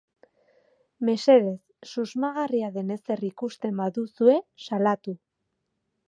Mesedez, susmagarria den ezer ikusten baduzue, salatu.